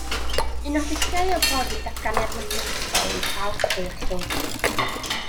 Un o'r dulliau o brofi datganiad mathemategol yw prawf trwy ollwng.